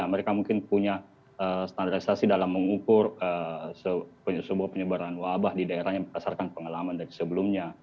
mereka mungkin punya standarisasi dalam mengukur sebuah penyebaran wabah di daerahnya berdasarkan pengalaman dari sebelumnya